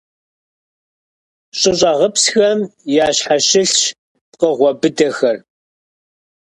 ЩӀыщӀагъыпсхэм ящхьэщылъщ пкъыгъуэ быдэхэр.